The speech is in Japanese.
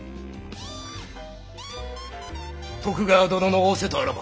徳川殿の仰せとあらば。